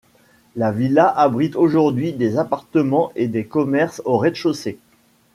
La villa abrite aujourd'hui des appartements et des commerces au rez-de-chaussée.